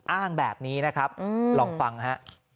อ้างแบบนี้นะครับลองฟังฮะ